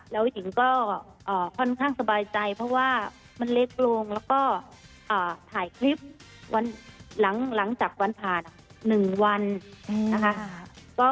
แล้วหญิงก็ค่อนข้างสบายใจเพราะว่ามันเล็กลงแล้วก็ถ่ายคลิปวันหลังจากวันผ่าน๑วันนะคะ